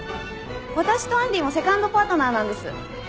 私とアンディーもセカンドパートナーなんです。